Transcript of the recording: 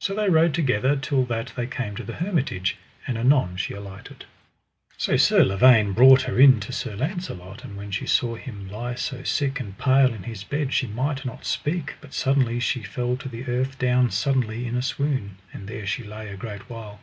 So they rode together till that they came to the hermitage, and anon she alighted. So Sir Lavaine brought her in to Sir Launcelot; and when she saw him lie so sick and pale in his bed she might not speak, but suddenly she fell to the earth down suddenly in a swoon, and there she lay a great while.